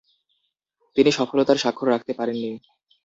তিনি সফলতার স্বাক্ষর রাখতে পারেননি।